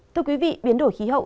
thưa quý vị biến đổi khí hậu